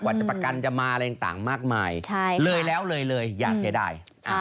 จะประกันจะมาอะไรต่างมากมายเลยแล้วเลยเลยอย่าเสียดาย